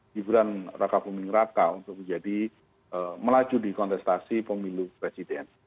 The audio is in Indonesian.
hiburan raka pemilu merata untuk menjadi melaju dikontestasi pemilu presiden